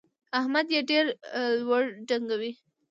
احمد يې ډېره لوړه ډنګوي.